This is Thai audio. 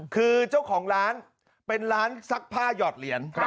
คือเจ้าของร้านเป็นร้านซักผ้าหยอดเหรียญ